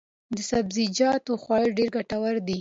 د سبزیجاتو خوړل ډېر ګټور دي.